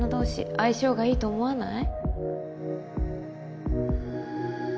相性がいいと思わない？